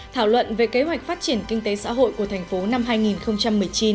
thảo luận về kế hoạch phát triển kinh tế xã hội của thành phố năm hai nghìn một mươi chín